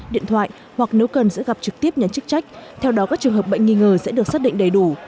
điện thoại hoặc nếu cần sẽ gặp trực tiếp nhắn chức trách theo đó các trường hợp bệnh nghi ngờ sẽ được xác định đầy đủ